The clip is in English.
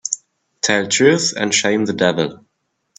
Tell truth and shame the devil